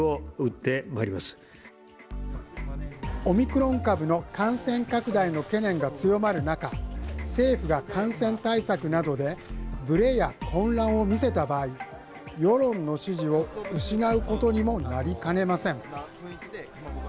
オミクロン株の感染拡大の懸念が強まる中、政府が感染対策などでブレや混乱を見せた場合、世論の支持を失うことにもなりかねません。